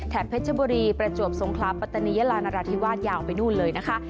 เพชรบุรีประจวบสงคราปัตตานียาลานราธิวาสยาวไปนู่นเลยนะคะ